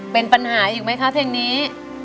เป็นปัญหาอีกไหมคะเพลงนี้